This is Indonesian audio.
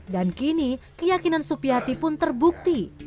dan kini keyakinan supiati pun terbukti